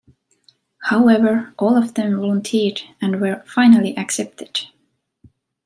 However, all of them volunteered and were finally accepted.